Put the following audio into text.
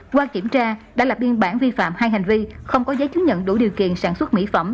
qua kiểm tra đã lập biên bản vi phạm hai hành vi không có giấy chứng nhận đủ điều kiện sản xuất mỹ phẩm